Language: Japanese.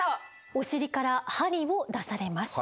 お尻から針を出されます。